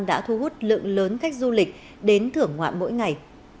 đã thu hút lượng lớn khách du lịch đến thưởng ngoại mỗi ngày